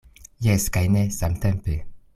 Jes kaj ne samtempe.